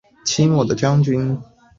明朝洪武二年降为慈利县。